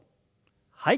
はい。